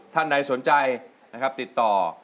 ถ้าใครสนใจนะครับติดต่อ